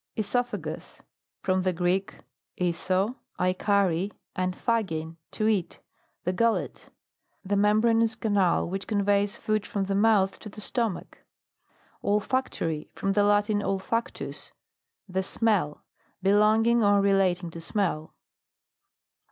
(ESOPHAGUS. From the Greek, oiso, I carry, and phagein, to eat. The gullet. The membranous canal which conveys food from the mouth to the stomach. OLFACTORY. From the Latin olfactus, the smell. Belonging or relating to smell.